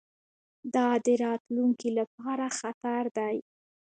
دا د راتلونکي لپاره خطر دی.